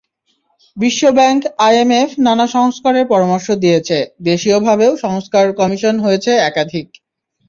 বিশ্বব্যাংক, আইএমএফ নানা সংস্কারের পরামর্শ দিয়েছে, দেশীয়ভাবেও সংস্কার কমিশন হয়েছে একাধিক।